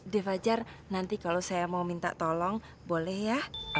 di fajar nanti kalau saya mau minta tolong boleh ya